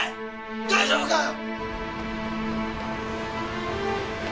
大丈夫かよ！